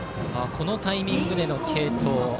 このタイミングでの継投。